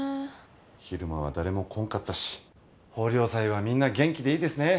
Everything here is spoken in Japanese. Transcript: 昼間は誰も来んかったし豊漁祭はみんな元気でいいですね。